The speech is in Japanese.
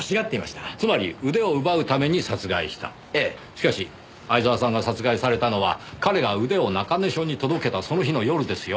しかし相沢さんが殺害されたのは彼が腕を中根署に届けたその日の夜ですよ。